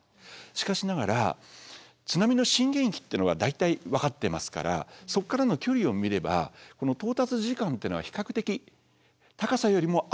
しかしながら津波の震源域っていうのは大体分かってますからそこからの距離を見れば到達時間については。